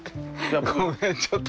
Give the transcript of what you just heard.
ごめんちょっと。